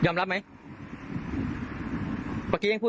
ไม่อยากนะพี่